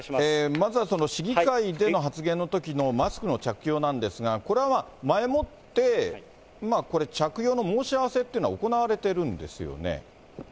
まずはその市議会での発言のときのマスクの着用なんですが、これはまあ、前もってこれ、着用の申し合わせというのは行われてるんですよね。